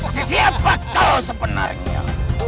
siapa kau sebenarnya